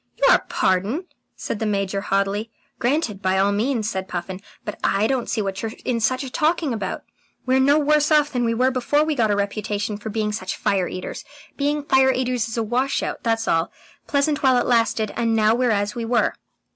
"Your pardon?" said the Major haughtily. "Granted by all means," said Puffin. "But I don't see what you're in such a taking about. We're no worse off than we were before we got a reputation for being such fire eaters. Being fire eaters is a wash out, that's all. Pleasant while it lasted, and now we're as we were."